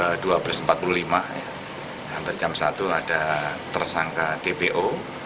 hampir jam satu ada tersangka dpo